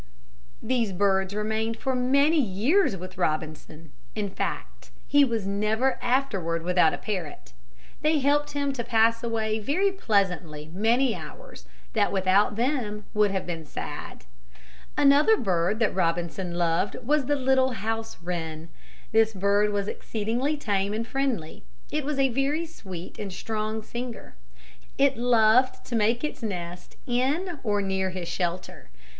These birds remained for many years with Robinson. In fact, he was never afterward without a parrot. They helped him to pass away very pleasantly many hours that without them would have been sad. Another bird that Robinson loved was the little house wren. This bird was exceedingly tame and friendly. It was a very sweet and strong singer. It loved to make its nest in or near his shelter.